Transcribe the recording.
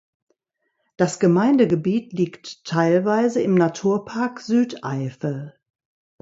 Das Gemeindegebiet liegt teilweise im Naturpark Südeifel.